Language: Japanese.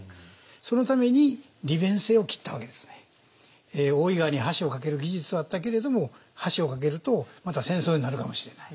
そのために大井川に橋を架ける技術はあったけれども橋を架けるとまた戦争になるかもしれない。